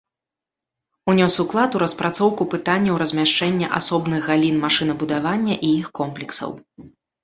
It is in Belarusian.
Унёс уклад у распрацоўку пытанняў размяшчэння асобных галін машынабудавання і іх комплексаў.